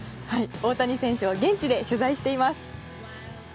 大谷選手を現地で取材しています。